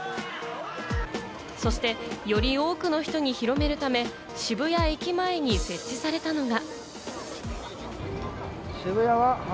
そしてより多くの人に広めるため、渋谷駅前に設置されたのが。